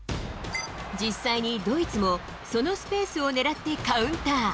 実際にドイツも、そのスペースを狙ってカウンター。